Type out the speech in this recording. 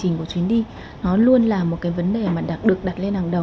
trình của chuyến đi nó luôn là một cái vấn đề mà được đặt lên hàng đầu